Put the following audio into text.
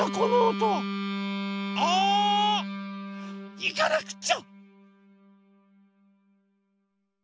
いかなくちゃ！